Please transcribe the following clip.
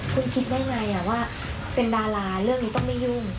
คุณคิดได้ไงว่าเป็นดาราเรื่องนี้ต้องไม่ยุ่ง